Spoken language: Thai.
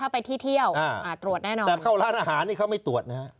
ไปที่เที่ยวตรวจแน่นอนแต่เข้าร้านอาหารนี่เขาไม่ตรวจนะฮะ